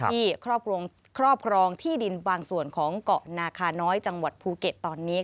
ครอบครองที่ดินบางส่วนของเกาะนาคาน้อยจังหวัดภูเก็ตตอนนี้